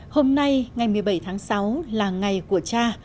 hôm nay ngày một mươi bảy tháng sáu là ngày của cha